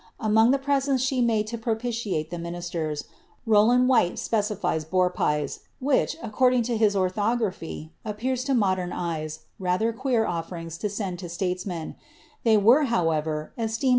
Among the presents slie made to propitiate llie ministers, Rowland Whyte specifies boar pics, which, according lo his orlhograpliy, appear to modern eves rather queer oflbrings to send to statesmen ; ihcy were, however, esteemei!